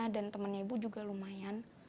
dan temannya ibu juga lumayan